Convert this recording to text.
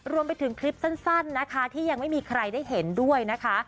รวมไปถึงคลิปสั้นนะคะที่ยังไม่มีใครได้เห็นด้วยนะคะ